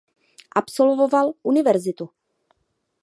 Absolvoval univerzitu.